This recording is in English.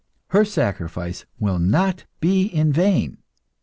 Her sacrifice will not be in vain.